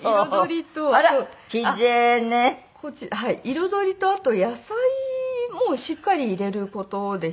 彩りとあと野菜もしっかり入れる事でしょうか。